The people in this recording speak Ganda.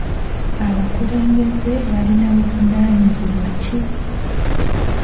Abakulembeze balina buvunaanyizibwa ki?